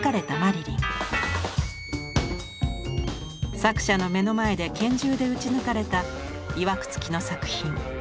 作者の目の前で拳銃で撃ち抜かれたいわくつきの作品。